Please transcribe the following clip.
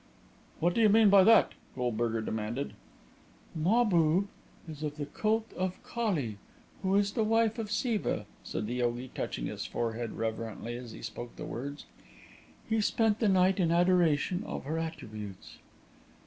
"What do you mean by that?" Goldberger demanded. "Mahbub is of the cult of Kali, who is the wife of Siva," said the yogi, touching his forehead reverently as he spoke the words. "He spent the night in adoration of her attributes."